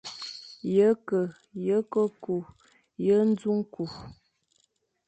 Ye ke, ye ke kü, ye nẑu kü,